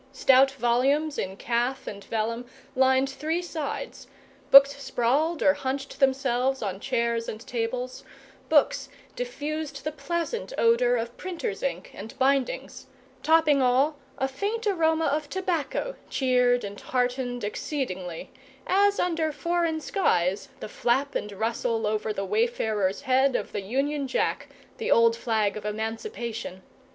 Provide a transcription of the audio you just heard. Stout volumes in calf and vellum lined three sides; books sprawled or hunched themselves on chairs and tables; books diffused the pleasant odour of printers' ink and bindings; topping all, a faint aroma of tobacco cheered and heartened exceedingly, as under foreign skies the flap and rustle over the wayfarer's head of the Union Jack the old flag of emancipation!